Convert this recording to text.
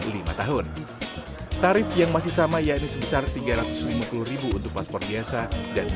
lima tahun tarif yang masih sama yaitu sebesar tiga ratus lima puluh untuk paspor biasa dan